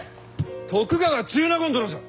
徳川中納言殿じゃ！